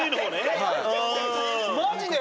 マジで！？